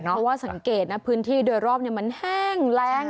เพราะว่าสังเกตนะพื้นที่โดยรอบมันแห้งแรง